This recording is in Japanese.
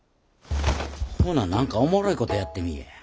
ほな何かおもろいことやってみいや。